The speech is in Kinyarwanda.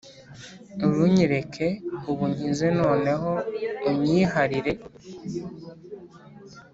Urunyereke ubu unkize noneho unyiharire